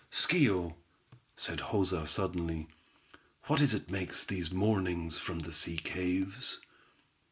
"Schio," said Joza, suddenly, "what is it makes these mournings from the sea caves?"